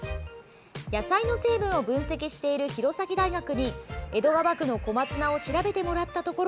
野菜の成分を分析している弘前大学に江戸川区の小松菜を調べてもらったところ